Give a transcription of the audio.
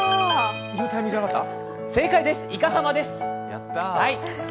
正解です！